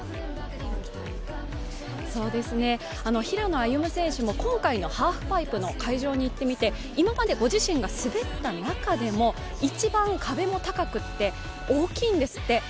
そうですね、平野歩夢選手も今回のハーフパイプの会場にいってみて今までご自身が滑った中でも一番壁も高くて大きいんですって。